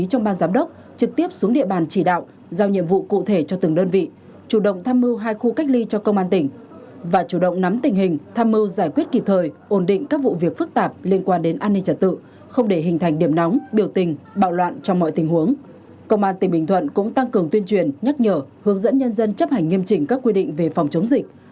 trong mọi tình huống công an tỉnh bình thuận cũng tăng cường tuyên truyền nhắc nhở hướng dẫn nhân dân chấp hành nghiêm trình các quy định về phòng chống dịch